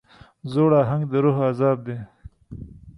زوړ اهنګ د روح عذاب دی.